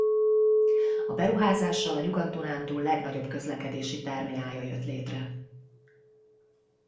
A beruházással a Nyugat-Dunántúl legnagyobb közlekedési terminálja jött létre.